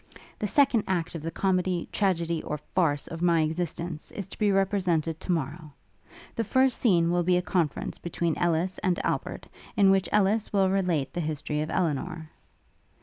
'The second act of the comedy, tragedy, or farce, of my existence, is to be represented to morrow. The first scene will be a conference between Ellis and Albert, in which Ellis will relate the history of Elinor.'